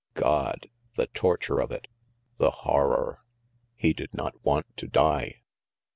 God! The torture of it! The horror! He did not want to die.